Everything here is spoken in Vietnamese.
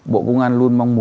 bộ công an luôn mong mong